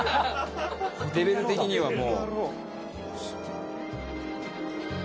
レベル的にはもう。